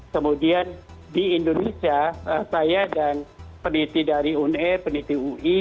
kemudian di indonesia saya dan peneliti dari une peneliti ui